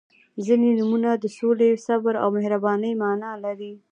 • ځینې نومونه د سولې، صبر او مهربانۍ معنا لري.